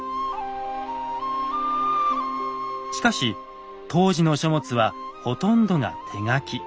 しかし当時の書物はほとんどが手書き。